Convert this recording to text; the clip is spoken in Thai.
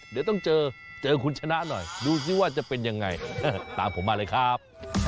เดี๋ยวต้องเจอเจอคุณชนะหน่อยดูซิว่าจะเป็นยังไงตามผมมาเลยครับ